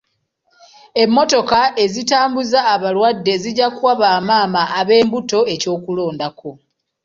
Emmotoka ezitambuza abalwadde zijja kuwu bamaama ab'embuto eky'okulondako.